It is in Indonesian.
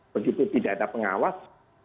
begitu tidak ada pengawas